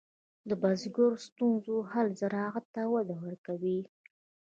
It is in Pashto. د بزګر د ستونزو حل زراعت ته وده ورکوي.